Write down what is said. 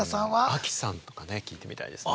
亜希さんとか聞いてみたいですね。